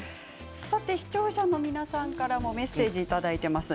視聴者の皆さんからもメッセージをいただいています。